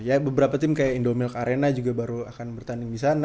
ya beberapa tim kayak indomilk arena juga baru akan bertanding di sana